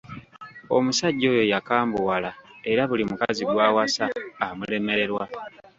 Omusajja oyo yakambuwala, era buli mukazi gw’awasa amulemererwa.